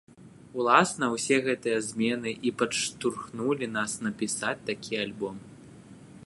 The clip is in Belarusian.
Уласна, усе гэтыя змены і падштурхнулі нас напісаць такі альбом.